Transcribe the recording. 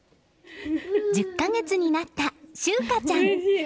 １０か月になった柊花ちゃん。